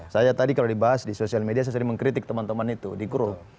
saya tadi kalau dibahas di sosial media saya sering mengkritik teman teman itu di grup